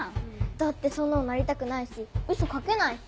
だってそんなのなりたくないしウソ書けないし。